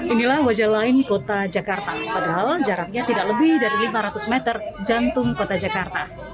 inilah wajah lain kota jakarta padahal jaraknya tidak lebih dari lima ratus meter jantung kota jakarta